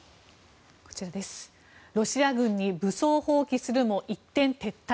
ロシア軍に武装蜂起するも一転撤退